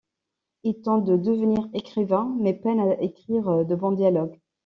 Il tente de devenir écrivain mais peine à écrire de bons dialogues.